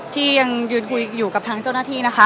ที่ยังยืนคุยอยู่กับทางเจ้าหน้าที่นะคะ